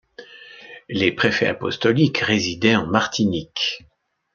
Les préfets apostoliques résidaient en Martinique.